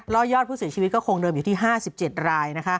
แล้วยอดผู้เสียชีวิตก็คงเดิมอยู่ที่๕๗ราย